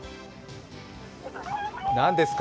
何ですか？